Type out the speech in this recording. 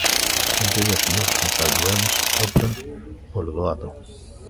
En vez de asumir responsabilidades, opta polo doado.